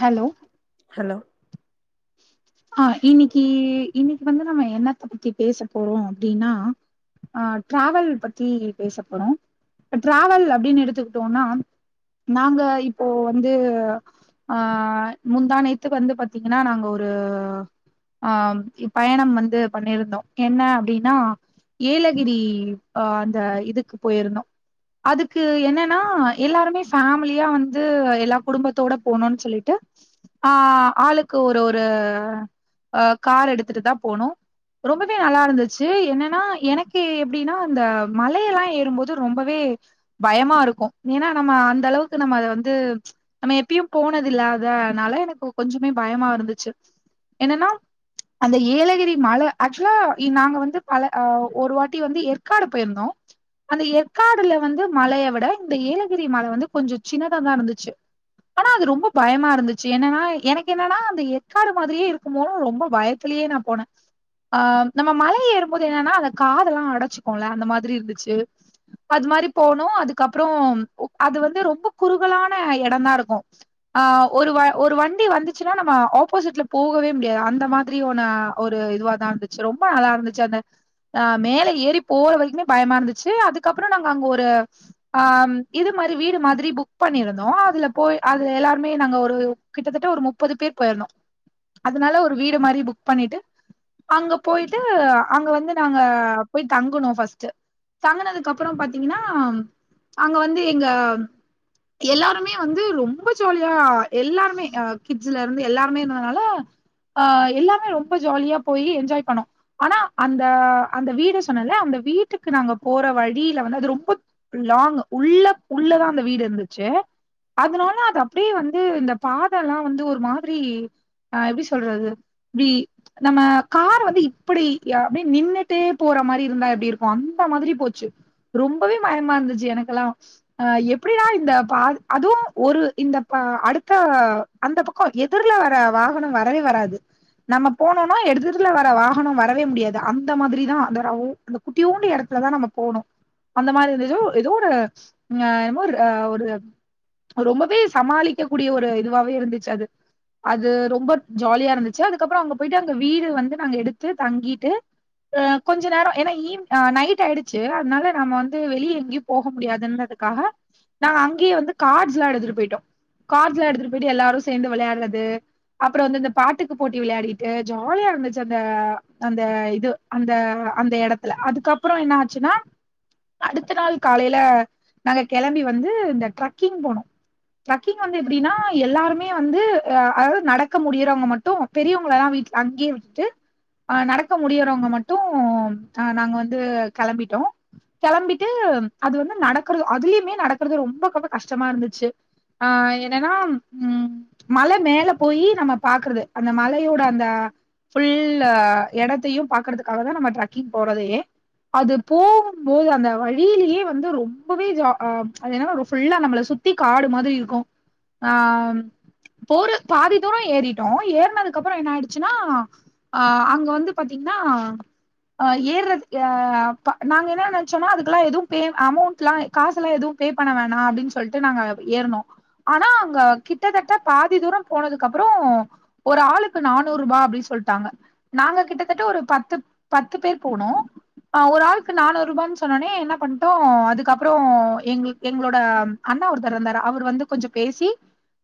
hello hello ஆஹ் இன்னிக்கி இன்னிக்கி வந்து நம்ம எண்ணத்த பத்தி பேச போறோம் அப்டின்னா ஆஹ் ட்ராவெல் பத்தி பேச போறோம் ட்ராவெல் அப்டின்னு எடுத்துக்கிட்டோன்னா நாங்க இப்போ வந்து ஆஹ் முந்தாநேத்து வந்து பாத்தீங்கன்னா நாங்க ஒ ரு ஆஹ்ம் இப் பயணம் வந்து பண்ணிருந்தோம் என்ன அப்டின்னா ஏலகிரி ஆஹ் அந்த இதுக்கு போயிருந்தோம் அதுக்கு என்னென்னா எல்லாருமே ஃபேம்லியா வந்து எல்லா குடும்பத்தோட போனும்னு சொல்லிட்டு ஆஹ் ஆளுக்கு ஒரு ஒரு ஆஹ் கார் எடுத்துட்டு தான் போனோம் ரொம்பவே நல்லா இருந்துச்சி என்னென்னா எனக்கு எப்டின்னா அந்த மலையெல்லா ஏறும்போது ரொம்பவே பயமா இருக்கும் ஏன்னா நம்ம அந்த அளவுக்கு நம்ம அத வந்து நம்ம எப்பியும் போனது இல்லாதனால எனக்கு கொஞ்சமே பயமா இருந்துச் சி என்னென்னா அந்த ஏலகிரி மல ஆக்சுவலா ஏ நாங்க வந்து பல ஆஹ் ஒரு வாட்டி வந்து எற்காடு போயிருந்தோம் அந்த எற்காடுல வந்து மலெய விட இந்த ஏலகிரி மல வந்து கொஞ்சோ சின்னத தான் இருந்துச்சி ஆனா அது ரொம்ப பயமா இருந்துச்சி என்னென்னா எனக்கு என்னென்னா அந்த எற்காடு மாதிரியே இருக்குமோனு ரொம்போ பயத்திலேயே நா போனேன் ஆஹ் நம்ப மலை ஏறும்போது என்னென்னா அந்த காதெல்லா அடைச்சிக்கோல அந்த மாதிரி இருந்துச்சி அது மாரி போனோம் அதுக்கப்றம் அது வந்து ரொம்போ குறுகலான எடந்தா இருக்கும் ஆஹ் ஒரு வ ஒரு வண்டி வந்திச்சின்னா நம்ம அப்போசிட்ல போகவே முடியாது அந்த மாதிரி ஒன்ன ஒரு இதுவா தான் இருந்துச்சி ரொம்ப நல்லா இருந்துச்சி அந்த ஆஹ் மேல ஏறி போற வரிக்குமே பயமா இருந்துச்சி அதுக்கப்புறம் நாங்க அங்க ஒரு ஆஹ் இது மாரி வீடு மாதிரி புக் பண்ணியிருந்தோம் அதுல போய் அது எல்லாருமே நாங்க ஒரு கிட்டத்தட்ட ஒரு முப்பது பேர் போயிருந்தோம் அதனால ஒரு வீடு மாரி புக் பண்ணிட்டு அங்க போயிட்டு அங்க வந்து நாங்க போய் தங்குனோ ஃபஸ்ட்டு தங்குனதுக்கு அப்புறம் பாத்தீங்கன்னா அங்க வந்து எங்க எல்லாருமே வந்து ரொம்ப ஜாலியா எல்லாருமே ஆஹ் கிட்ஸில இருந்து எல்லாருந்த னால ஆஹ் எல்லாமே ரொம்ப ஜாலியா போய் என்ஜாய் பண்ணோம் ஆனா அந்த அந்த வீடு சொன்னல்ல அந்த வீட்டுக்கு நாங்க போற வழியில வந்து அது ரொம்பத் லாங்கு உள்ள உள்ளதா அந்த வீடு இருந்துச்சி அதனால அது அப்டியே வந்து இந்த பாதல்லா வந்து ஒரு மாதிரி ஆஹ் எப்டி சொல்றது வீ நம்ம கார் வந்து இப்புடி ஏ அப்டே நின்னுட்டே போற மாரி இருந்தா எப்டி இருக்கும் அந்த மாதிரி போச்சு ரொம்பவே பயமா இருந்துச்சி எனக்கெல்லா ஆஹ் எப்டின்னா இந்த பாது அதுவும் ஒரு இந்த ப அடுத்த அந்த பக்கம் எதிர்லெ வர வா கனம் வரவே வராது நம்ம போனோனா எடுத்துர்ல வர வாகனம் வரவே முடியாது அந்த மாதிரிதான் அந்த ரவ்வு அந்த குட்டியோண்ட எடத்துல தான் நம்ம போணும் அந்த மாதிரி இருந்தது எதோ ஒரு ஞெ என்னமோ ரே ஒரு ரொம்பவே சமாளிக்க கூடிய ஒரு இதுவாவே இருந்துச்சி அது அது ரொ ம்ப ஜாலியா இருந்துச்சி அதுக்கப்பறம் அங்க போயிட்டு அங்க வீடு வந்து நாங்க எடுத்து தங்கிட்டு ஆஹ் கொஞ்ச நேரம் ஏன்னா ஈவ்ன் ஆஹ் நைட்டாயிடுச்சி அத்னால நம்ம வந்து வெளியே எங்கியும் போக முடியாதுன்னதுக்காக நாங்க அங்கேயே வந்து கார்ட்ஸ்ல்லா எடுத்துட்டு போயிட்டோம் கார்ட்ஸ்ல்லாம் எடுத்துட்டு போயிட்டு எல்லாரும் சேந்து வெளையாடுறது அப்பறம் வந்து இந்த பாட்டுக்கு போட்டி விளையாடிட்டு ஜாலியா இருந்துச்சி அந்த அந்த இது அந்த அந்த எடத்துல அதுக்கப்பறம் என்ன ஆச்சின்னா அடுத்த நாள் காலேல நாங்க கெளம்பி வந்து இந்த ட்ரெக்கிங் போனோ ட்ரெக்கிங் வந்து எப்டின்னா எல்லாருமே வந்து ஆஹ் அதாவ்து நட க்க முடியிறவங்க மட்டும் பெரியவங்களெல்லா வீட்ல அங்கேயே விட்டு ஆஹ் நடக்க முடியறவங்க மட்டும் ஆஹ் நாங்க வந்து கெளம்பிட்டோ கெளம்பிட்டு அது வந்து நடக்கறது அதுலியுமே நடக்கறது ரொம்ப ரொம்ப கஷ்டமா இருந்துச்சி ஆஹ் என்னென்னா உம் மழ மேல போயி நம்ம அந்த மலையோட அந்த ஃபுல்லு எடத்தேயும் பாக்கறதுக்காக தான் நம்ம டரெக்கிங் போறதே அது போவும்போது அந்த வழியிலயே வந்து ரொம்பவே ஜா ஆஹ் அது என்னென்னா ஒரு நம்பள சுத்தி காடு மாதிரி இருக்கும் ஆஹ்ம் போற பாதி தூரோம் ஏறிட்டோ ஏற்னதுக்கப்பறம் என்ன ஆயிடிச்சின்னா ஆஹ் அங்க வந்து பாத்தீங்ன்னா ஆஹ் ஏற்ரது ஆஹ் ப நாங்க என்னா நன்ச்சோன்னா பே அமௌன்ட்லா காசெல்லா எதும் பே பண்ண வேணா அப்டின்னு சொல்ட்டு நாங்க ஏற்னோம் ஆனா அங்க கிட்டத்தட்ட பாதி தூரம் போனதுக் கப்றோம் ஒரு ஆளுக்கு நானூரூபா அப்டின் சொல்ட்டாங்க நாங்க கிட்டத்தட்ட ஒரு பத்து பத்து பேர் போனோம் ஆஹ் ஒர் ஆளுக்கு நானூரூபானு சொன்னோனே என்ன பண்டோம் அதுக்கப்றோம் எங்குல் எங்ளோட அண்ணா ஒருதரிந்தாரு அவர் வந்து கொஞ்ச பேசி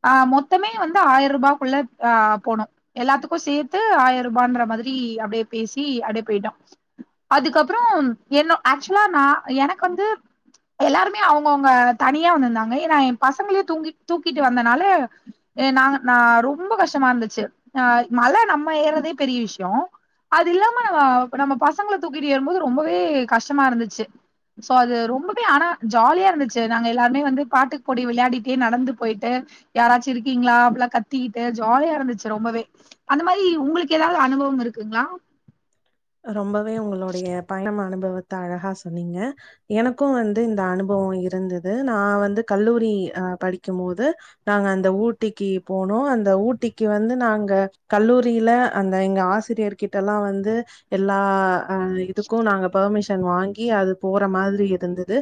ஆஹ் மொத்தமே வந்து ஆயிர ரூபாகுள்ளப் ஆஹ் போனும் எல்லாத்துக்கு சேத்து ஆயரூபா இன்ற மாதிரி அப்டியே பேசி அப்டே பெயிட்டோம் அதுக்கப்புறம் என்னோ ஆக்சுவ்லா நா எனக்கு வந்து எல்லாருமே அவுங்கவுங்க தனியா வந்திருந்தாங்க ஏனா என் பசங்களி தூங்கி தூக்கிட்டு வந்தனால ஏ நாங்க நா ரொம்போ கஷ்டமா இருந்துச்சி ஆஹ் மழ நம்ம ஏறதே பெரிய விஷ்யம் அது இல்லாம நம்ம நம்ம பசங்கள தூக்கிட்டு ஏற்போது ரொம்பவே கஷ்டமா இருந்துச்சி சோ அது ரொம்பவே ஆனா ஜாலியா இருந்திச்சு நாங்க எல்லார்மே வந்து பாட்டுக்கு போட்டி விளையாடிட்டே நடந்து போயிட்டு யாராச்சும் இருக்கீங்களா அப்ளா கத்திக்கிட்டு ஜாலியா இருந்துச்சி ரொம்பவே அந்த மாரி உங்ளுக்கு ஏதாவ்து அனுபவம் இருக்குங்ளா ரொம்பவே உங்களுடைய பயணமானத் அனுபவத்த அழகா சொன்னீங்க எனக்கும் வந்து இந்த அனுபவம் இருந்தது நா வந்து கல்லூரி அஹ் படிக்கும் போது நாங்க அந்த ஊட்டிக்கு போனோம் அந்த ஊட்டிக்கு வந்து நாங்க கல்லூரியில அந்த எங்க ஆசிரியர் கிட்டல்லா வந்து எல்லா இதுக்கும் நாங்க பமிஷன் ன் வாங்கி அது போற மாதிரி இருந்தது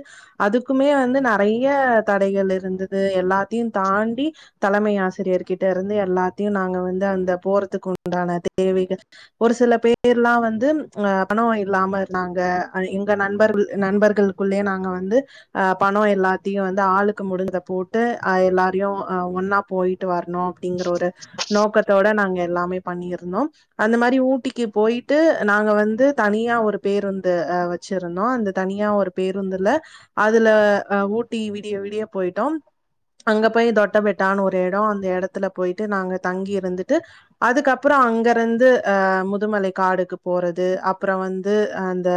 அதுக்குமே வந்து நறய தடைகள் இருந்தது எல்லாத்தியும் தாண்டி தலமை ஆசிரியர் கிட்டு இருந்து எல்லாத்தியும் நாங்க வந்து அந்த போறதுக்கு உண்டான தேவேகள் ஒரு சில பேர்லா வந் து ஆஹ் பணம் இல்லாம இருந்தாங்க அஹ் எங்க நண்பர்கள் நண்பர்கள்குள்ளயே நாங்க வந்து ஆஹ் பணோ எல்லாத்தியும் வந்து ஆளுக்கு முடிஞ்சத போட்டு ஆஹ் எல்லாரியும் அஹ் ஒன்னா போயிட்டு வர் னும் அப்டிங்கிற ஒரு நோக்கத்தோட நாங்க எல்லாமே பண்ணியிருந்தோம் அந்த மாதிரி ஊட்டிக்கு போயிட்டு நாங்கள் வந்து தனியா ஒரு பேருந்து வச்சிருந்தோம் அந்த தனியா ஒரு பேருந்துல அதுல அ ஊட்டி விடிய விடிய போயிட்டோம் அங்க போய் தொட்டபெட்டான்னு ஒரு இடம் அந்த இடத்துல போயிட்டு நாங்கள் தங்கி இருந்துட்டு அதுக்கப்புறம் அங்க இருந்து அஹ முதுமலை காடுக்கு போறது அப்புறம் வந்து அந்த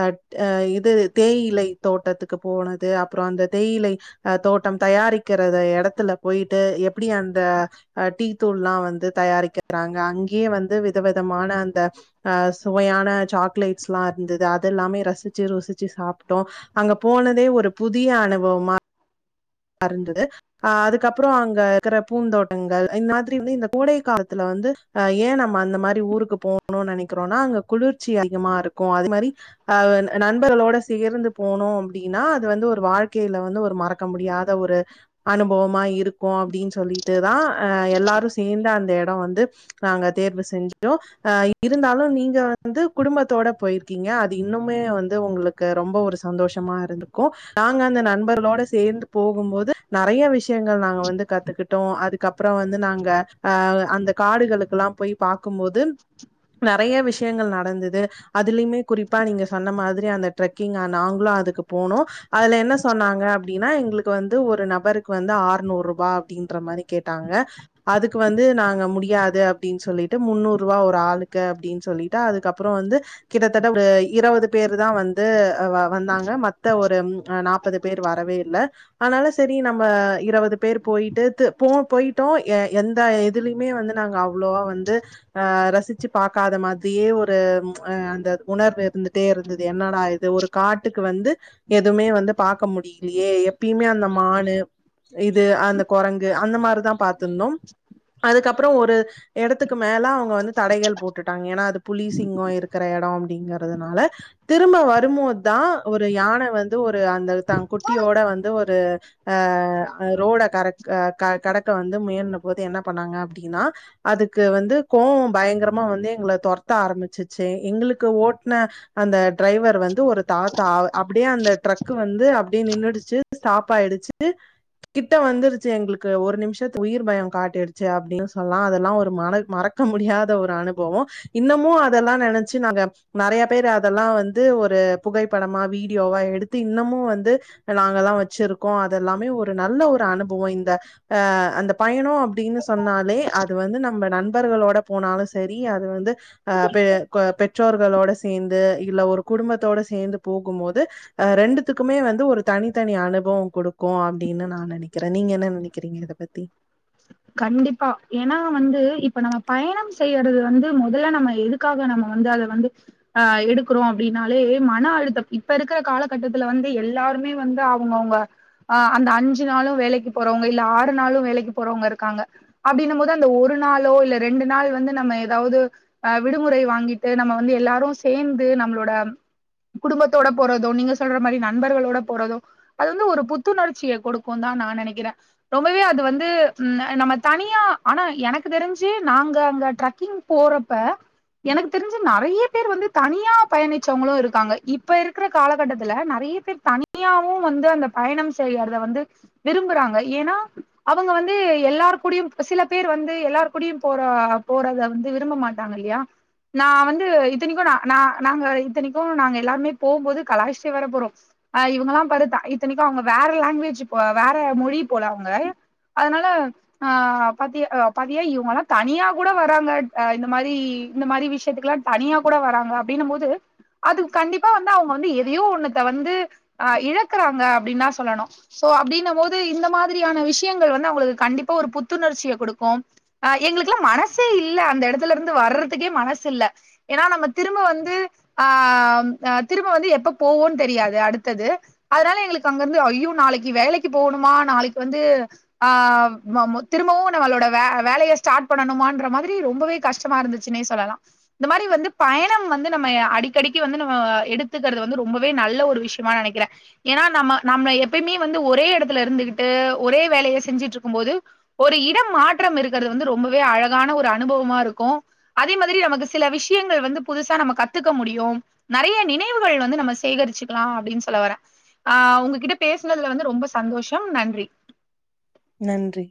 அஹ் அஹ் இது தேயிலை தோட்டத்துக்கு போனது அப்புறம் அந்த தேயிலை அஹ் தோட்டம் தயாரிக்கிறத இடத்துல போயிட்டு எப்படி அந்த அஹ் டீத்தூள்ல்லாம் வந்து தயாரிக்கிறாங்க அங்கேயே வந்து விதவிதமான அந்த அஹ் சுவையான சாக்லேட்ஸ்லா இருந்தது அத எல்லாமே ரசிச்சு ருசிச்சு சாப்பிட்டோம் அங்க போனதே ஒரு புதிய அனுபவமா அந்தது அஹ் அதுக்கப்புறம் அங்க இருக்கிற பூந்தோட்டங்கள் இந்த மாதிரி வந்து இந்த கோடை காலத்துல வந்து அஹ் ஏன் நம்ம அந்த மாதிரி ஊருக்கு போகணும்னு நினைக்கிறோம்னா அங்க குளிர்ச்சி அதிகமா இருக்கும் அது மாதிரி அஹ் நண்பர்களோட சேர்ந்து போனோன்னு அப்படின்னா அது வந்து ஒரு வாழ்க்கையில வந்து ஒரு மறக்க முடியாது ஒரு அனுபவமா இருக்கும் அப்படின்னு சொல்லிட்டு தான் அஹ் எல்லாரும் சேர்ந்த அந்த இடம் வந்து நாங்க தேர்வு செஞ்சோ அஹ் இருந்தாலும் நீங்க வந்து குடும்பத்தோட போயிருக்கீங்க அது இன்னுமே வந்து உங்களுக்கு ரொம்ப ஒரு சந்தோஷமா இருந்துக்கும் நாங்க அந்த நண்பர்களோட சேர்ந்து போகும்போது நிறைய விஷயங்கள் நாங்க வந்து கத்துக்கிட்டோம் அதுக்கப்புறம் வந்து நாங்க அஹ் அந்த காடுகளுக்குகெல்லாம் போய் பாார்க்கும்போது நிறைய விஷயங்கள் நடந்தது அதுலயுமே குறிப்பா நீங்க சொன்ன மாதிரி அந்த ட்ரெக்கிங் நாங்களும் அதுக்கு போனோம் அதுல என்ன சொன்னாங்க அப்படின்னா எங்களுக்கு வந்து ஒரு நபருக்கு வந்து அறநூறு ரூபாய் அப்படின்ற மாதிரி கேட்டாங்க அதுக்கு வந்து நாங்க முடியாது அப்படின்னு சொல்லிட்டு முன்னூறு ரூபாய்ன்னு ஒரு ஆளுக்கு அப்படின்னு சொல்லிட்டு அதுக்கப்புறம் வந்து கிட்டத்தட்ட இருபது பேரு தான் வந்து வந்தாங்க மத்த ஒரு நாற்பது பேர் வரவே இல்ல அதனால சரி நம்ம இருபது பேர் போயிட்டு போ போயிட்டோ எந்த எதுலயுமே வந்து நாங்க அவ்வளோவா வந்து ஆஹ் ரசிச்சு பாார்க்காத மாதிரியே ஒரு் அந்த உணர்வு இருந்துட்டே இருந்தது என்னடா ஆது ஒரு காட்டுக்கு வந்து எதுவுமே வந்து பாார்க்க முடியலையே எப் எப்பயுமே அந்த மானு இது அந்த குரங்கு அந்த மாதிரிதான் பா்த்திருந்தோம் அதுக்கப் அப்புறம் ஒரு இடத்துக்கு மேல அவங்க வந்து தடைகள் போட்டுட்டாங்க ஏன்னா அது புலி சிங்கம் இருக்கிற இடம் அப்பனு டிங்கறிறதுனால திரும்ப வரும்போது தான் ஒரு யானை வந்து ஒரு அந்த தான் குட்டியோட வந்து அ ரோடை க கடக்க வந்து முயின போது என்ன பண்ணாங்க அப்படின்னா அதுக்கு வந்து கோவம் பயங்கரமா வந்து எங்களை தொரத்த ஆரம்பிச்சுச்சு எங்களுக்கு ஓட்டன அந்த டிரைவர் வந்து ஒரு தாத்தா அப்படியே அந்த டரக்கு வந்து அப்படிய நின்னுடுச்சு ஸ்டாப் ஆயிருச்சி கிட்ட வந்துருச்சு எங்களுக்கு ஒரு நிமிஷத்து உயிர் பயம் காட்டடுச்சு அப்படின்னு சொல்லா அதெல்லாம் ஒரு மன மறக்க முடியாத ஒரு அனுபவம் இன்னமும் அதெல்லாம் நினைச்சு நாங்க நிறைய பேர் அதெல்லாம் வந்து ஒரு புகைப்படமா வீடியோவா எடுத்து இன்னமும் வந்து நா வச்சிருக்கோ அதெல்லாமே ஒரு நல்ல ஒரு அனுபவம் இந்த அ அந்த பயணம் அப்படின்னு சொன்னாலே அது வந்து நம்ம நண்பர்களோட போனாலும் சரி அது வந்து அ பொ பெற்றோர்களோட சேர்ந்து இல்ல ஒரு குடும்பத்தோட சேர்ந்து போகும் போது ரெண்டுத்துக்குமே வந்து ஒரு தனி த்தனி அனுபவம் கொடுக்கு அப்படின்னு நான் நினைக்கிறேன் நீங்க என்ன நினைக்கிறீங்க இதை பத்தி கண்டிப்பா ஏன்னா வந்து இப்ப நம்ம பயணம் செய்யறது வந்து முதல்ல நம்ம எதுக்காக நம்ம வந்து அதை வந்து ஆஹ் எடுக்கறோம் அப்படின்னாலே மன அழுத்தம் இப்ப இருக்கிற காலகட்டத்துல வந்து எல்லாருமே வந்து அவங்கவுங்க அஹ் அந்த அஞ்சு நாளும் வேலைக்கு போறவங்க இல்ல ஆறு நாளும் வேலைக்கு போறவங்க இரு க்க அப்படின்னும் போது அந்த ஒரு நாளோ இல்ல ரெண்டு நாள் வந்து நம்ம ஏதாவது அஹ் விடுமுறை வாங்கிட்டு நம்ம வந்து எல்லாரும் சேர்ந்து நம்மளோட குடும்பத்தோட போறதோ நீங்க சொல்ற மாதிரி நண்பர்களோட போறதோ அது வந்து ஒரு புத்துணர்ச்சியை கொடுக்கும் தான் நான் நினைக்கிறேன் ரொம்பவே அது வந்து நம்ம தனியா ஆனா எனக்கு தெரிஞ்சு நாங்க அங்க ட்ரக்கிங் போறப்ப எனக்கு தெரிஞ்சு நிறைய பேர் வந்து தனியா பயணிச்சவங்களும் இருக்காங்க இப்ப இருக்கிற காலகட்டத்துல நிறைய பேர் தனியாவும் வந்து அந்த பயணம் செய்யறத வந்து விரும்புறாங்க ஏன்னா அவங்க வந்து ந்து எல்லாரரு கூடும் சில பேர் வந்து எல்லாரரு கூடும் போற போறத வந்து விரும்ப மாட்டாங்க இல்லையா நான் வந்து இத்தனைக்கும் ந நா நாங்க இத்தனைக்கும் நாங்க எல்லாருமே போகும்போது கலாச்சிடே வேர போறோம் அஹ் இவ எல்லாம் பத்தா இத்தனைக்கும் அவங்க வேற லாங்குவேஜ் போ வேற மொழி போல அவங்க அதனால அஹ் பத்திய பத்தா இவங்க எல்லாம் தனியா கூட வராங்கஹ இந்த மாதிரி இந்த மாதிரி விஷயத்துக்கு எல்லாம் தனியா கூட வராங்க அப்படின்ன போது அது கண்டிப்பா வந்து அவங்க வந்து எதையோ ஒண்ணுத்த வந்து ஆஹ் இழக்குறாங்க அப்படின்னா சொல்லணும் சோ அப்படின்ன போது இந்த மாதிரியான விஷயங் வந்து அவங்களுக்கு கண்டிப்பா ஒரு புத்துணர்ச்சியை கொடுக்கும் அஹ் எங்களுக்கு எல்லாம் மனசே இல்ல அந்த இடத்துல இருந்து வர்றதுக்கே மனசு இல்ல ஏன்னா நம்ம திரும்ப வந்து அஹ் திரும்ப வந்து எப்ப போவோன்னு தெரியாது அடுத்தது அதனால எங்களுக்கு அங்கிருந்து ஐயோ நாளைக்கு வேலைக்கு போகணுமா நாளைக்கு வந்து ஆஹ் திரும்பவும் நம்மளோட வே வேலையை ஸ்டார்ட் பண்ணணுமா மாதிரி ரொம்பவே கஷ்டமா இருந்துச்சுன்னே சொல்லலாம் இந்த மாதிரி வந்து பயணம் வந்து நம்ம அடிக்கடிக்கு வந்து நம்ம எடுத்துக்கிறது வந்து ரொம்பவே நல்ல ஒரு விஷயமா நினைக்கிறேன் ஏன்னா நம்ம நம்ம எப்பயுமே வந்து ஒரே இடத்துல இருந்துகிட்டு ஒரே வேலைய செஞ்சிட்டு இருக்கும்போது ஒரு இடம் மாற்றம் இருக்கிறது வந்து ரொம்பவே அழகான ஒரு அனுபவமா இருக்கும் அதே மாதிரி நமக்கு சில விஷயங்கள் வந்து புதுசா நம்ம கத்துக்க முடியும் நிறைய நினைவுகள் வந்து நம்ம சேகரிச்சக்கலா அப்படின்னு சொல்ல வரேன் ஆஹ் உங்ககிட்ட பேசனதுல வந்து ரொம்ப சந்தோஷம் நன்றி நன்றி